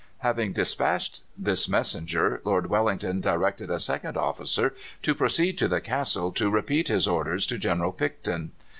"Having dispatched this messenger, Lord Wellington directed a second officer to proceed to the castle to repeat his orders to General Picton.